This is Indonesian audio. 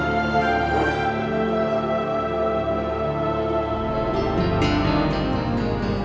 saya permisi dulu